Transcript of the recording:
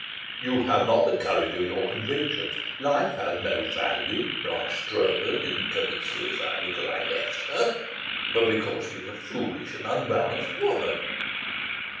"You have not the courage of your convictions. Life has no value. Blanche Stroeve didn't commit suicide because I left her, but because she was a foolish and unbalanced woman.